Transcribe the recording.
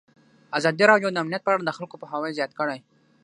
ازادي راډیو د امنیت په اړه د خلکو پوهاوی زیات کړی.